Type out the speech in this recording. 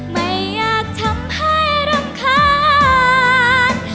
ไม่อยากทำให้รำคาญ